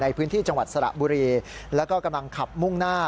ในพื้นที่จังหวัดสระบุรีแล้วก็กำลังขับมุ่งหน้า